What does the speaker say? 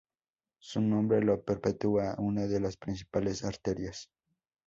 Su nombre lo perpetúa una de las principales arterias.